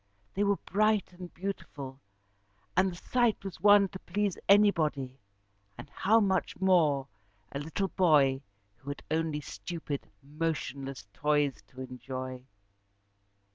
They were bright and beautiful, and the sight was one to please anybody, and how much more a little boy who had only stupid, motionless toys to enjoy.